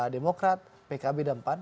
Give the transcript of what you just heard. demokrat pkb dan pan